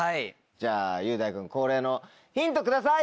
じゃあ雄大君恒例のヒントください！